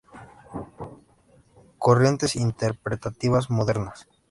Corrientes interpretativas modernas.